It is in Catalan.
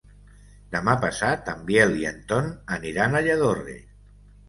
Demà passat en Biel i en Ton aniran a Lladorre.